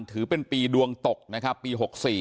ถือเป็นปีดวงตกนะครับปี๖๔